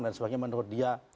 dan sebagainya menurut dia